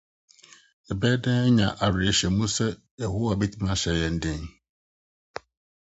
Yɛbɛyɛ dɛn anya awerɛhyem sɛ Yehowa betumi ahyɛ yɛn den?